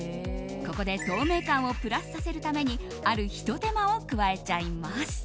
ここで透明感をプラスさせるためにあるひと手間を加えちゃいます。